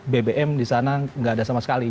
bbm di sana nggak ada sama sekali